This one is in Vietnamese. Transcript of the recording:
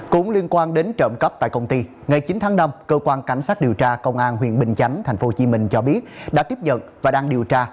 cũng liên quan đến trộm cắp tại công ty ngày chín tháng năm cơ quan cảnh sát điều tra công an huyện bình chánh tp hcm cho biết đã tiếp nhận và đang điều tra